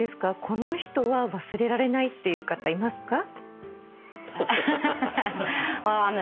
この人は忘れられないって方いますか？